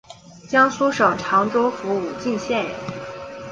江苏省常州府武进县人。